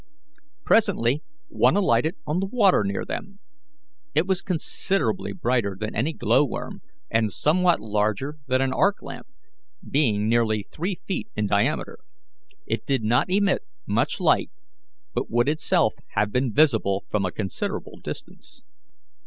Presently one alighted on the water near them. It was considerably brighter than any glow worm, and somewhat larger than an arc lamp, being nearly three feet in diameter; it did not emit much light, but would itself have been visible from a considerable distance.